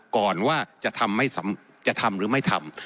ก่อนว่าจะทำหรือไม่ทำ